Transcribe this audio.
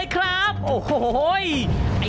อย่าอย่า